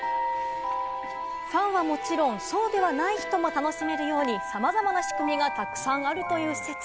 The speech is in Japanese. ファンはもちろんそうでない人も楽しめるように、さまざまな仕組みがたくさんあるという施設。